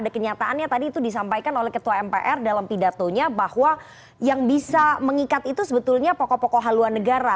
kenyataannya tadi itu disampaikan oleh ketua mpr dalam pidatonya bahwa yang bisa mengikat itu sebetulnya pokok pokok haluan negara